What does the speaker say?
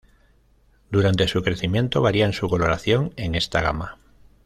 Durante su crecimiento varían su coloración en esta gama.